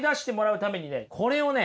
これをね